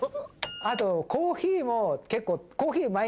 あとコーヒーも。